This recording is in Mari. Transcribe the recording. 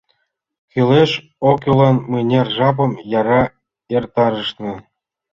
Кӱлеш-оккӱллан мыняр жапым яра эртарышна!